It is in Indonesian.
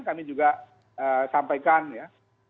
kami juga sampaikan ya